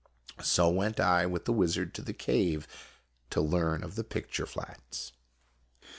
6 IMAGINOTIONS So went I with the wizard to the cave to learn of the picture flats.